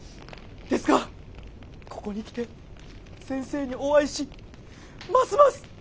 ですがここに来て先生にお会いしますます